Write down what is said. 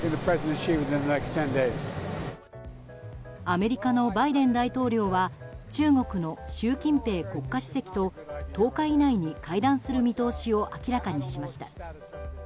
アメリカのバイデン大統領は中国の習近平国家主席と１０日以内に会談する見通しを明らかにしました。